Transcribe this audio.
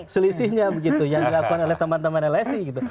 selisihnya begitu yang dilakukan oleh teman teman lsi gitu